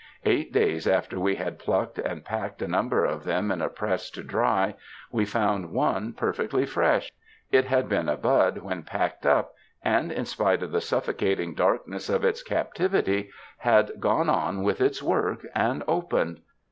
Eight days after we had plucked and packed a number of them in a press to dry, we found one perfectly fresh. It had been a bud when packed up, and, in spite of the suifocating darkness of its captivity, had gone on with its work and opened.